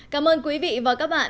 cảm ơn quý vị và các bạn